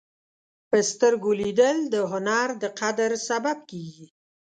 په سترګو لیدل د هنر د قدر سبب کېږي